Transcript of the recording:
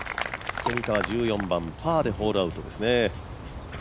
蝉川１４番、パーでホールアウトですね。